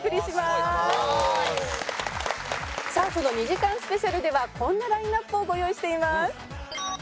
すごい！さあその２時間スペシャルではこんなラインアップをご用意しています。